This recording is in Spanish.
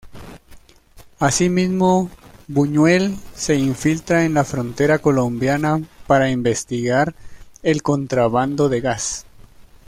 Asimismo, Buñuel se infiltra en la frontera colombiana para investigar el contrabando de gas.